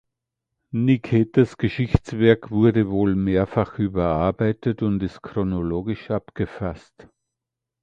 Niketas Geschichtswerk wurde wohl mehrfach überarbeitet und ist chronologisch abgefasst.